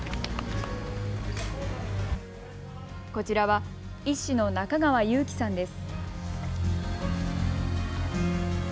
こちらは医師の中川悠樹さんです。